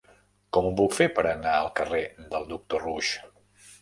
Com ho puc fer per anar al carrer del Doctor Roux?